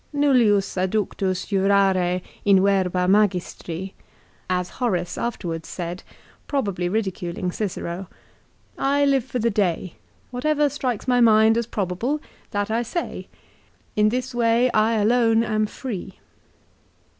" Nullius adductus jurare in verbamagistri," 1 as Horace afterwards said, probably ridiculing Cicero. " I live for the day. Whatever strikes my mind as probable, that I say. In this way I alone am free."